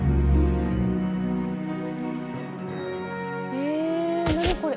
へえ何これ？